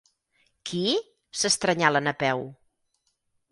Qui? —s'estranyà la Napeu.